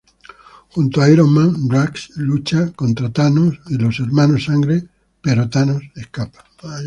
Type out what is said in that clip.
Junto a Iron Man, Drax lucha contra Thanos y los Hermanos Sangre, pero Thanos escapa.